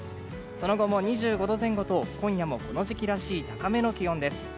その後も２５度前後と今夜もこの時期らしい高めの気温です。